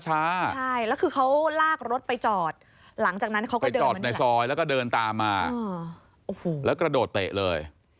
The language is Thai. ใช่แล้วคือเขาลากรถไปจอดหลังจากนั้นเขาก็ไปจอดในซอยแล้วก็เดินตามมาโอ้โหแล้วกระโดดเตะเลย